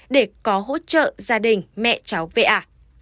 để có hỗ trợ gia đình mẹ cháu va